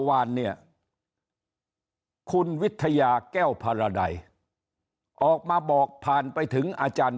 วานเนี่ยคุณวิทยาแก้วพารดัยออกมาบอกผ่านไปถึงอาจารย์